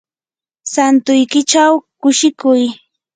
santuykichaw kushikuy.